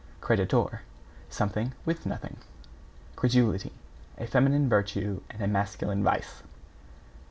=CREDITOR= Something with nothing. =CREDULITY= A feminine virtue and a masculine vice.